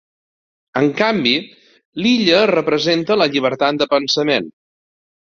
En canvi, l'illa representa la llibertat de pensament.